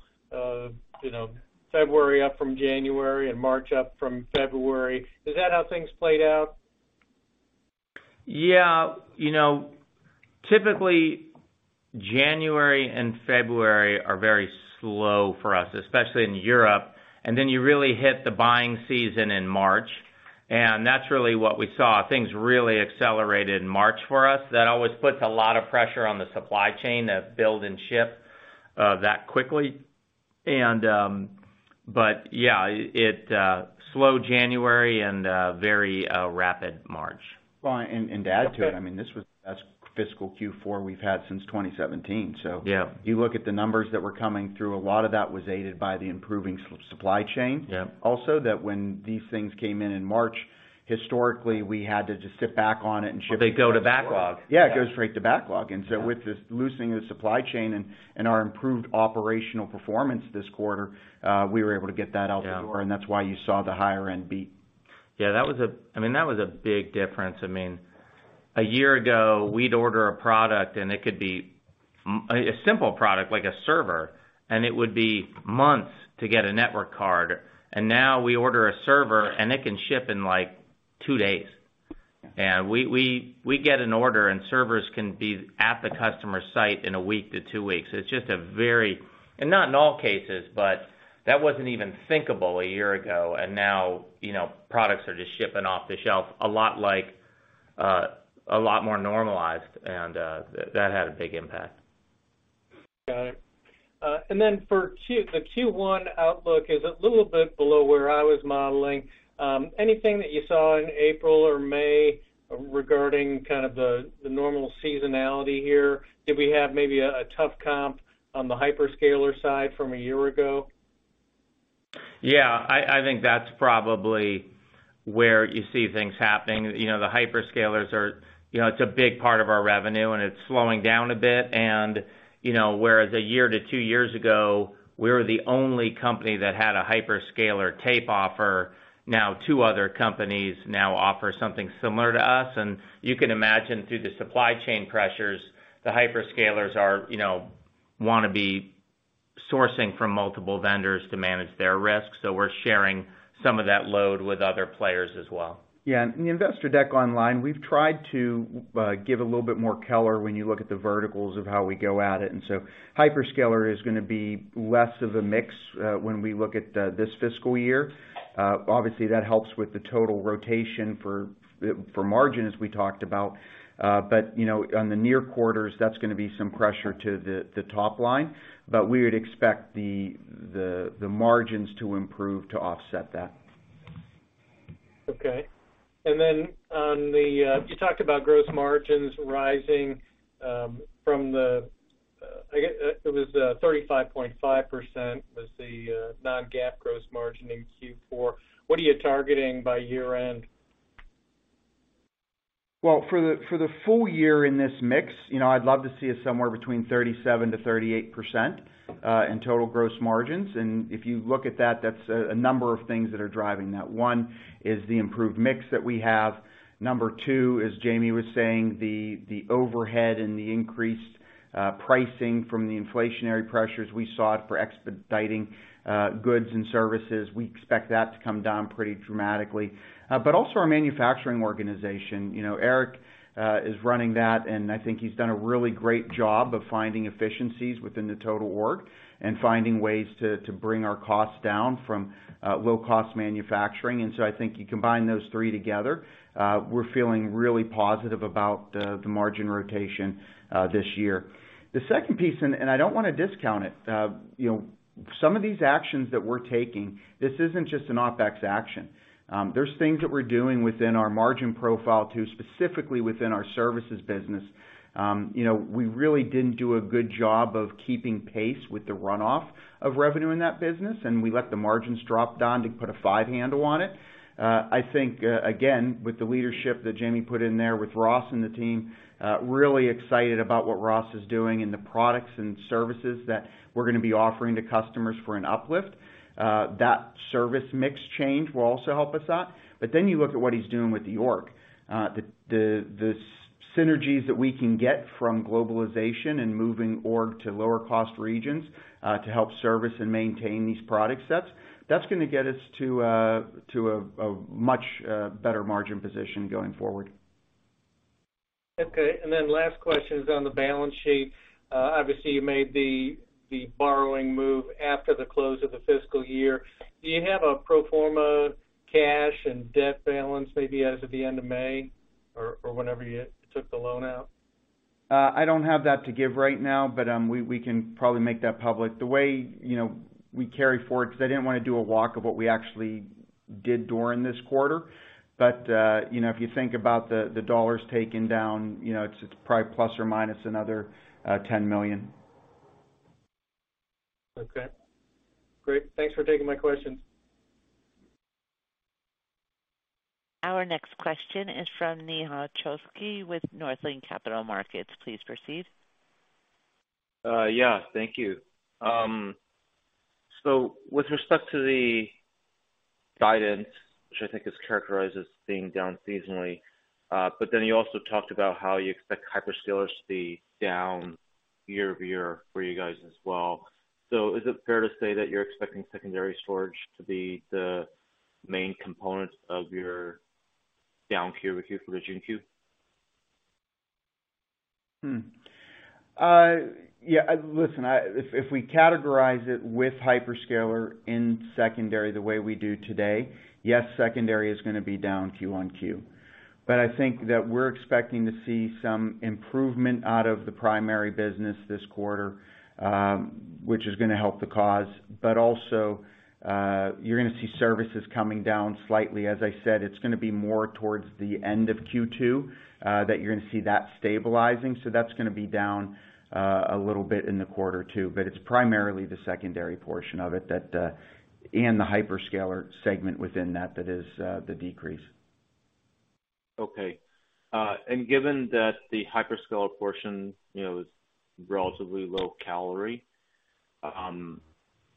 you know, February up from January and March up from February. Is that how things played out? Yeah. You know, typically, January and February are very slow for us, especially in Europe, and then you really hit the buying season in March, and that's really what we saw. Things really accelerated in March for us. That always puts a lot of pressure on the supply chain to build and ship that quickly. But yeah, it, slow January and very rapid March. Well, to add to it, I mean, this was the best fiscal Q4 we've had since 2017. Yeah You look at the numbers that were coming through, a lot of that was aided by the improving supply chain. Yep. That when these things came in in March, historically, we had to just sit back on it and ship. They go to backlog. Yeah, it goes straight to backlog. With this loosening of the supply chain and our improved operational performance this quarter, we were able to get that out the door, and that's why you saw the higher end beat. Yeah, that was a big difference. I mean, a year ago, we'd order a product, and it could be a simple product, like a server, and it would be months to get a network card. Now we order a server, and it can ship in, like, two days. We get an order, and servers can be at the customer site in one to two weeks. Not in all cases, but that wasn't even thinkable a year ago, and now, you know, products are just shipping off the shelf, a lot like a lot more normalized, and that had a big impact. Got it. For the Q1 outlook is a little bit below where I was modeling. Anything that you saw in April or May regarding kind of the normal seasonality here? Did we have maybe a tough comp on the hyperscaler side from a year ago? Yeah, I think that's probably where you see things happening. You know, the hyperscalers are, you know, it's a big part of our revenue, and it's slowing down a bit. You know, whereas a year to two years ago, we were the only company that had a hyperscaler tape offer. Now, two other companies now offer something similar to us, and you can imagine through the supply chain pressures, the hyperscalers are, you know, want to be sourcing from multiple vendors to manage their risk. We're sharing some of that load with other players as well. In the investor deck online, we've tried to give a little bit more color when you look at the verticals of how we go at it. Hyperscaler is going to be less of a mix when we look at this fiscal year. Obviously, that helps with the total rotation for margin, as we talked about. You know, on the near quarters, that's going to be some pressure to the top line, but we would expect the margins to improve to offset that. Okay. Then on the You talked about gross margins rising, from the, I guess, it was 35.5% was the non-GAAP gross margin in Q4. What are you targeting by year-end? Well, for the, for the full year in this mix, you know, I'd love to see it somewhere between 37%-38% in total gross margins. If you look at that's a number of things that are driving that. One, is the improved mix that we have. Number two, as Jamie was saying, the overhead and the increased pricing from the inflationary pressures we saw for expediting goods and services. We expect that to come down pretty dramatically. Also our manufacturing organization. You know, Eric, is running that, and I think he's done a really great job of finding efficiencies within the total org, and finding ways to bring our costs down from low-cost manufacturing. So I think you combine those three together, we're feeling really positive about the margin rotation this year. The second piece, and I don't want to discount it. You know, some of these actions that we're taking, this isn't just an OpEx action. There's things that we're doing within our margin profile, too, specifically within our services business. You know, we really didn't do a good job of keeping pace with the runoff of revenue in that business, and we let the margins drop down to put a five handle on it. I think, again, with the leadership that Jamie put in there with Ross and the team, really excited about what Ross is doing and the products and services that we're going to be offering to customers for an uplift. That service mix change will also help us out. You look at what he's doing with the org. The synergies that we can get from globalization and moving org to lower cost regions, to help service and maintain these product sets, that's going to get us to a much better margin position going forward. Okay. Last question is on the balance sheet. Obviously you made the borrowing move after the close of the fiscal year. Do you have a pro forma cash and debt balance, maybe as of the end of May or whenever you took the loan out? I don't have that to give right now, but we can probably make that public. The way, you know, we carry forward, 'cause I didn't want to do a walk of what we actually did during this quarter. You know, if you think about the dollars taken down, you know, it's probably ±$10 million. Okay, great. Thanks for taking my questions. Our next question is from Nehal Chokshi with Northland Capital Markets. Please proceed. Yeah, thank you. With respect to the guidance, which I think is characterized as being down seasonally, you also talked about how you expect hyperscalers to be down year-over-year for you guys as well. Is it fair to say that you're expecting secondary storage to be the main component of your down Q with you for the June Q? Yeah, listen, if we categorize it with hyperscaler in secondary the way we do today, yes, secondary is going to be down Q-on-Q. I think that we're expecting to see some improvement out of the primary business this quarter, which is going to help the cause. Also, you're going to see services coming down slightly. As I said, it's going to be more towards the end of Q2, that you're going to see that stabilizing. That's going to be down a little bit in the quarter two, but it's primarily the secondary portion of it that and the hyperscaler segment within that is the decrease. Okay. Given that the hyperscaler portion, you know, is relatively low calorie,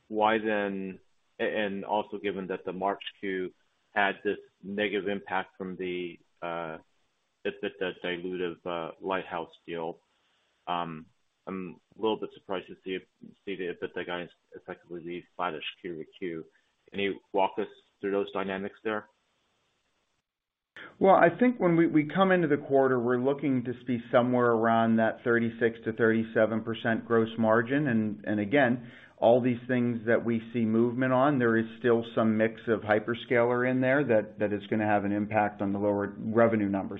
why then and also given that the March Q had this negative impact from the dilutive lighthouse deal, I'm a little bit surprised to see that the guy is effectively leave flat-ish Q-to-Q. Can you walk us through those dynamics there? Well, I think when we come into the quarter, we're looking to see somewhere around that 36%-37% gross margin. Again, all these things that we see movement on, there is still some mix of hyperscaler in there that is gonna have an impact on the lower revenue number.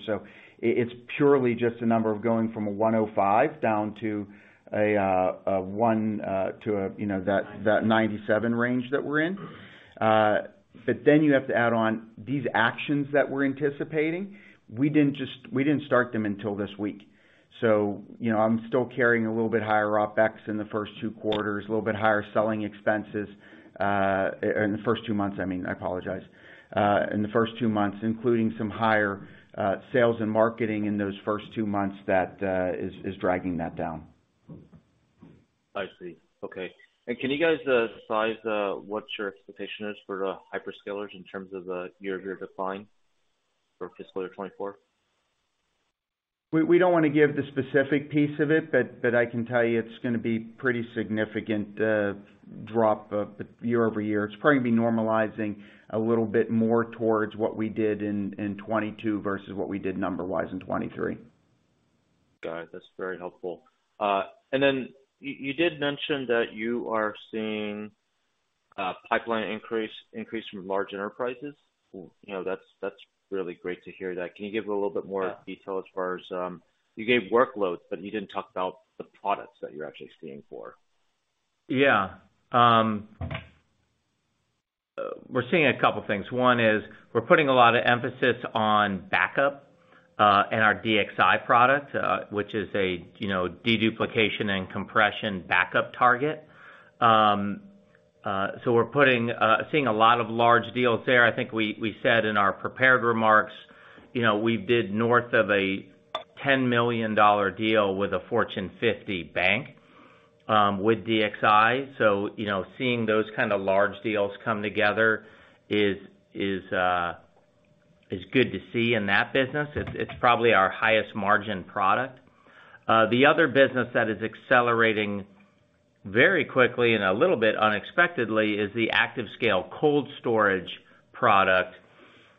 It's purely just a number of going from a $105 down to a, you know, that $97 range that we're in. You have to add on these actions that we're anticipating. We didn't start them until this week. You know, I'm still carrying a little bit higher OpEx in the first two quarters, a little bit higher selling expenses, in the first two months, I mean, I apologize. In the first two months, including some higher, sales and marketing in those first two months that, is dragging that down. I see. Okay. Can you guys size what your expectation is for the hyperscalers in terms of the year-over-year decline for fiscal 2024? We don't want to give the specific piece of it, but I can tell you it's gonna be pretty significant, drop of year-over-year. It's probably gonna be normalizing a little bit more towards what we did in 2022 versus what we did number-wise in 2023. Got it. That's very helpful. you did mention that you are seeing pipeline increase from large enterprises. You know, that's really great to hear that. Can you give a little bit more detail as far as—you gave workloads, but you didn't talk about the products that you're actually seeing for? Yeah. We're seeing a couple of things. One is we're putting a lot of emphasis on backup, and our DXi product, which is a, you know, deduplication and compression backup target. We're seeing a lot of large deals there. I think we said in our prepared remarks, you know, we did north of a $10 million deal with a Fortune 50 bank, with DXi. You know, seeing those kind of large deals come together is good to see in that business. It's probably our highest margin product. The other business that is accelerating very quickly and a little bit unexpectedly is the ActiveScale Cold Storage product,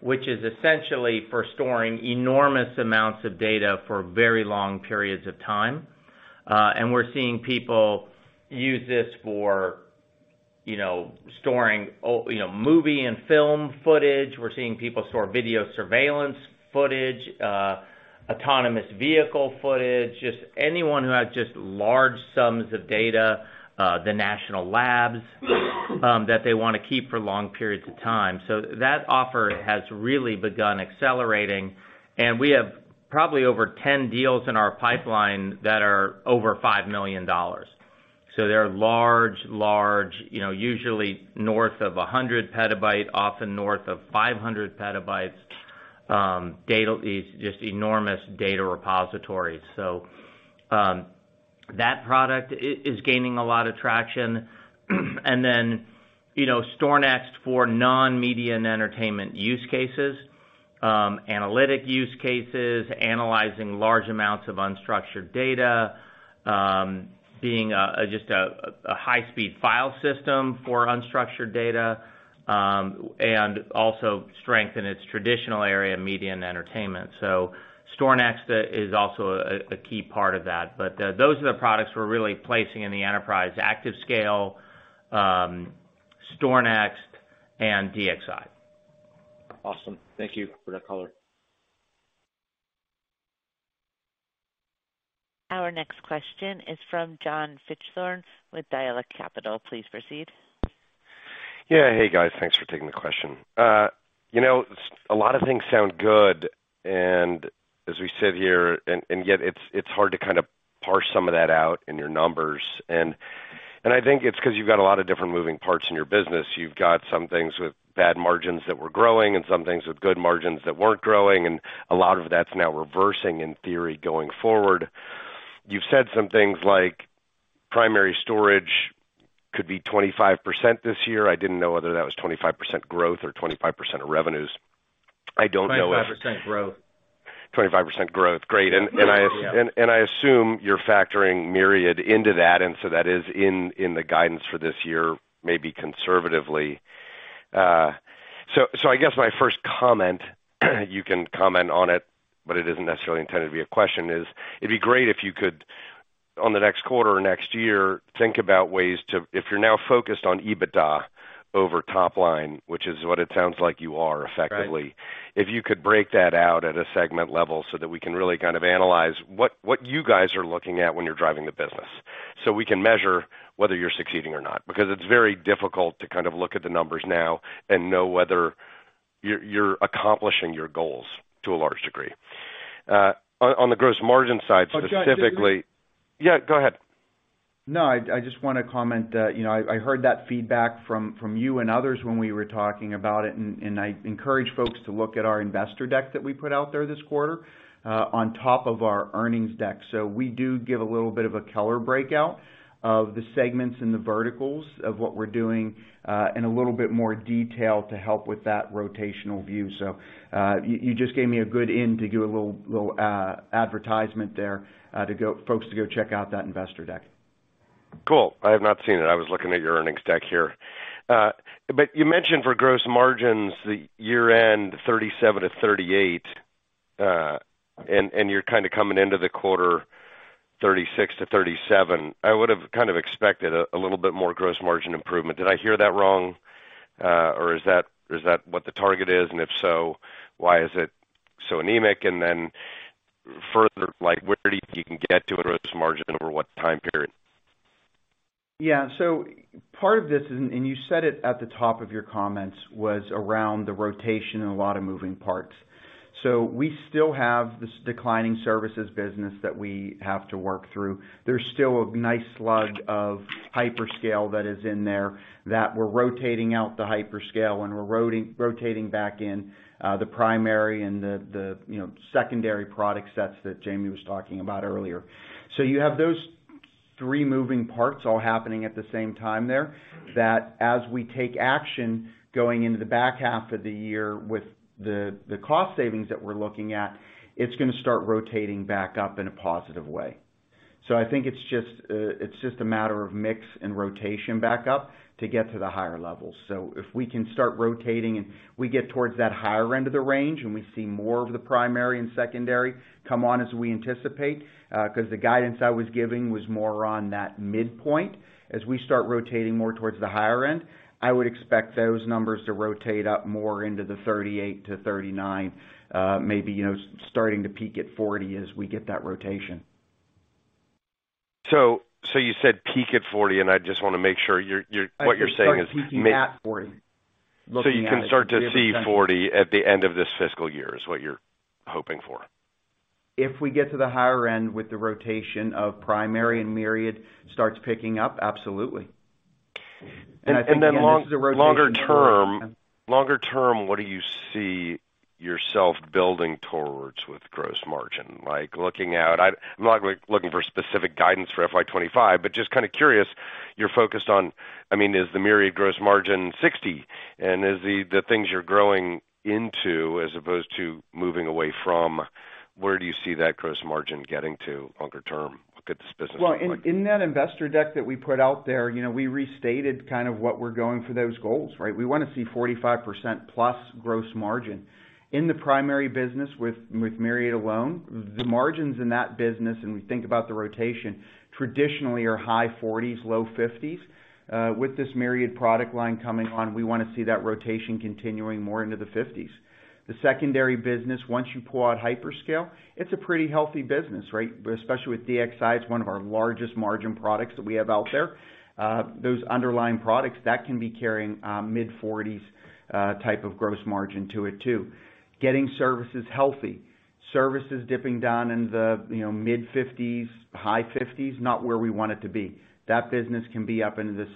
which is essentially for storing enormous amounts of data for very long periods of time. We're seeing people use this for, you know, storing, you know, movie and film footage. We're seeing people store video surveillance footage, autonomous vehicle footage, just anyone who has just large sums of data, the national labs, that they want to keep for long periods of time. That offer has really begun accelerating, and we have probably over 10 deals in our pipeline that are over $5 million. They're large, you know, usually north of 100 petabytes, often north of 500 petabytes, data. It's just enormous data repositories. That product is gaining a lot of traction. You know, StorNext for non-media and entertainment use cases, analytic use cases, analyzing large amounts of unstructured data, being a high-speed file system for unstructured data, and also strengthen its traditional area, media and entertainment. StorNext is also a key part of that. Those are the products we're really placing in the enterprise: ActiveScale, StorNext, and DXi. Awesome. Thank you for that color. Our next question is from John Fichthorn with Dialectic Capital. Please proceed. Yeah. Hey, guys, thanks for taking the question. You know, a lot of things sound good, and as we sit here, and yet it's hard to kind of parse some of that out in your numbers. I think it's 'cause you've got a lot of different moving parts in your business. You've got some things with bad margins that were growing and some things with good margins that weren't growing, and a lot of that's now reversing in theory, going forward. You've said some things like primary storage could be 25% this year. I didn't know whether that was 25% growth or 25% of revenues. I don't know if- 25% growth. 25% growth. Great. Yeah. I assume you're factoring Myriad into that, and so that is in the guidance for this year, maybe conservatively. I guess my first comment, you can comment on it, but it isn't necessarily intended to be a question, is: it'd be great if you could, on the next quarter or next year, think about ways to if you're now focused on EBITDA over top line, which is what it sounds like you are. Right. if you could break that out at a segment level so that we can really kind of analyze what you guys are looking at when you're driving the business, so we can measure whether you're succeeding or not. It's very difficult to kind of look at the numbers now and know whether you're accomplishing your goals to a large degree. On the gross margin side, specifically. John. Yeah, go ahead. No, I just want to comment that, you know, I heard that feedback from you and others when we were talking about it, and I encourage folks to look at our investor deck that we put out there this quarter, on top of our earnings deck. We do give a little bit of a color breakout of the segments and the verticals of what we're doing, in a little bit more detail to help with that rotational view. You, you just gave me a good in to do a little advertisement there, folks to go check out that investor deck. Cool! I have not seen it. I was looking at your earnings deck here. You mentioned for gross margins, the year end, 37%-38%, and you're kind of coming into the quarter 36%-37%. I would have kind of expected a little bit more gross margin improvement. Did I hear that wrong, or is that what the target is? If so, why is it so anemic? Then further, like, where do you think you can get to a gross margin over what time period? Yeah. Part of this, and you said it at the top of your comments, was around the rotation and a lot of moving parts. We still have this declining services business that we have to work through. There's still a nice slug of hyperscale that is in there, that we're rotating out the hyperscale, and we're rotating back in, the primary and the, you know, secondary product sets that Jamie Lerner was talking about earlier. You have those three moving parts all happening at the same time there, that as we take action, going into the back half of the year with the cost savings that we're looking at, it's going to start rotating back up in a positive way. I think it's just, it's just a matter of mix and rotation back up to get to the higher levels. If we can start rotating and we get towards that higher end of the range, and we see more of the primary and secondary come on as we anticipate, 'cause the guidance I was giving was more on that midpoint. As we start rotating more towards the higher end, I would expect those numbers to rotate up more into the 38%-39%, maybe, you know, starting to peak at 40% as we get that rotation. You said peak at 40%, and I just want to make sure you're what you're saying is? Start peaking at 40%. You can start to see 40% at the end of this fiscal year, is what you're hoping for? If we get to the higher end with the rotation of primary and Myriad starts picking up, absolutely. Then longer term, what do you see yourself building towards with gross margin? Like, looking out... I'm not like looking for specific guidance for FY 2025, but just kind of curious, you're focused on—I mean, is the Myriad gross margin 60%, and is the things you're growing into as opposed to moving away from, where do you see that gross margin getting to longer term, look at this business? In that investor deck that we put out there, you know, we restated kind of what we're going for those goals, right? We want to see 45%+ gross margin. In the primary business with Myriad alone, the margins in that business, and we think about the rotation, traditionally are high 40%, low 50s%. With this Myriad product line coming on, we want to see that rotation continuing more into the 50%. The secondary business, once you pull out hyperscale, it's a pretty healthy business, right? Especially with DXi, it's one of our largest margin products that we have out there. Those underlying products, that can be carrying mid-40% type of gross margin to it, too. Getting services healthy. Services dipping down in the, you know, mid-50%, high 50%, not where we want it to be. That business can be up into the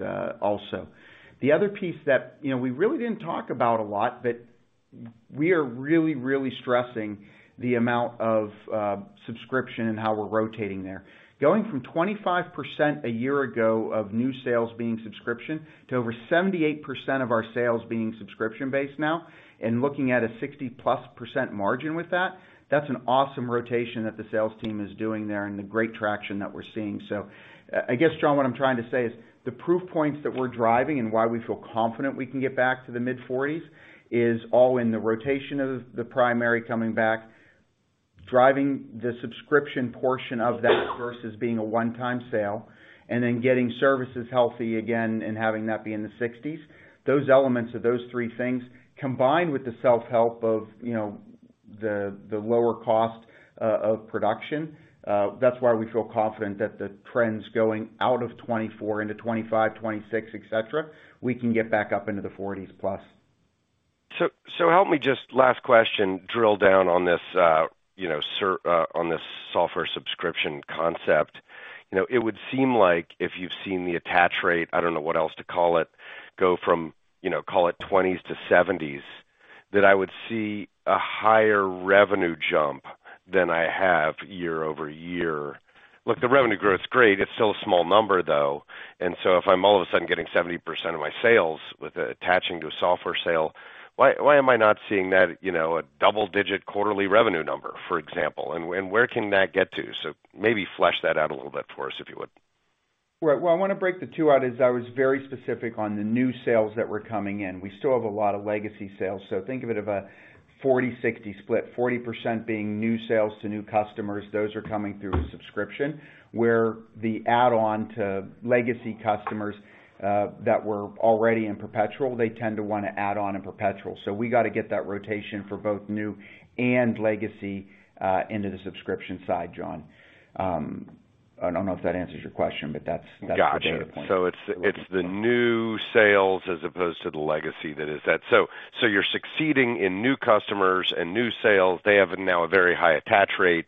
60%, also. The other piece that, you know, we really didn't talk about a lot. We are really stressing the amount of subscription and how we're rotating there. Going from 25% a year ago of new sales being subscription, to over 78% of our sales being subscription-based now, and looking at a 60%+ margin with that's an awesome rotation that the sales team is doing there, and the great traction that we're seeing. I guess, John, what I'm trying to say is the proof points that we're driving and why we feel confident we can get back to the mid-40%, is all in the rotation of the primary coming back, driving the subscription portion of that versus being a one-time sale, and then getting services healthy again and having that be in the 60%. Those elements of those three things, combined with the self-help of the lower cost of production, that's why we feel confident that the trends going out of 2024 into 2025, 2026, et cetera, we can get back up into the 40%+. Help me just, last question, drill down on this, you know, on this software subscription concept. You know, it would seem like if you've seen the attach rate, I don't know what else to call it, go from, you know, call it 20%-70%, that I would see a higher revenue jump than I have year-over-year. Look, the revenue growth's great. It's still a small number, though, if I'm all of a sudden getting 70% of my sales with attaching to a software sale, why am I not seeing that, you know, a double-digit quarterly revenue number, for example, and where can that get to? Maybe flesh that out a little bit for us, if you would. Right. Well, I want to break the two out, as I was very specific on the new sales that were coming in. We still have a lot of legacy sales. Think of it of a 40-60 split, 40% being new sales to new customers. Those are coming through a subscription, where the add-on to legacy customers, that were already in perpetual, they tend to want to add on in perpetual. We got to get that rotation for both new and legacy, into the subscription side, John. I don't know if that answers your question, but that's the data point. Got it. It's the new sales as opposed to the legacy that is that. You're succeeding in new customers and new sales. They have now a very high attach rate,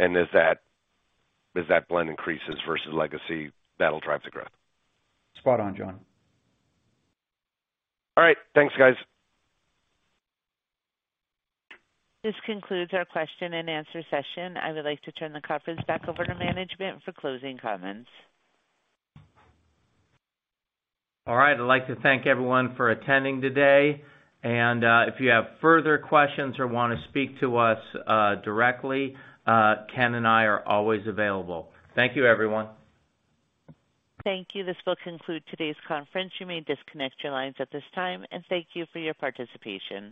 and as that blend increases versus legacy, that'll drive the growth. Spot on, John. All right, thanks, guys. This concludes our question and answer session. I would like to turn the conference back over to management for closing comments. All right. I'd like to thank everyone for attending today. If you have further questions or wanna speak to us, directly, Ken and I are always available. Thank you, everyone. Thank you. This will conclude today's conference. You may disconnect your lines at this time, and thank you for your participation.